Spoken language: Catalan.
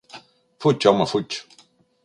Fuig, home, fuig!